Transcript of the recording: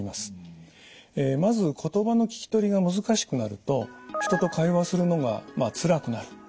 まず言葉の聞き取りが難しくなると人と会話をするのがつらくなる。